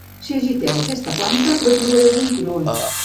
Si agiteu aquesta planta la trobareu ben crua.